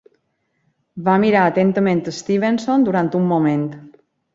Va mirar atentament Stevenson durant un moment.